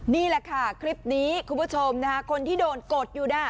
นี่แหละค่ะคลิปนี้คุณผู้ชมนะคะคนที่โดนกดอยู่น่ะ